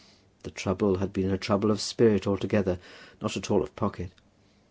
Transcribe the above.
The trouble had been a trouble of spirit altogether, not at all of pocket.